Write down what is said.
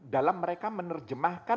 dalam mereka apa yang mereka lakukan